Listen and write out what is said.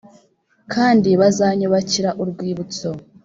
kandi bazanyubakira urwibutso